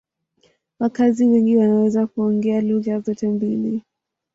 Wakazi wengi wanaweza kuongea lugha zote mbili.